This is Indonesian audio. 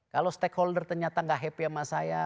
kalau stakeholder ternyata gak happy sama saya